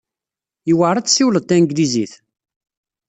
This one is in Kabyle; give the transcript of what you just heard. Yewɛeṛ ad tessiwleḍ tanglizit?